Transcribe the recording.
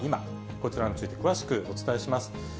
こちらについて詳しくお伝えします。